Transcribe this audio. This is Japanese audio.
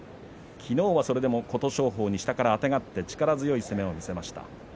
昨日はそれでも琴勝峰に下からあてがってから強い攻めを見せました。